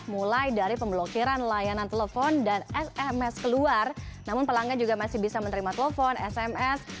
mulai dari pemblokiran layanan telepon dan sms keluar namun pelanggan juga masih bisa menerima telepon sms